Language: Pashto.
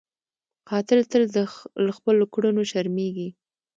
قاتل تل له خپلو کړنو شرمېږي